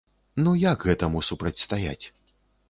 Ну як гэтаму супрацьстаяць?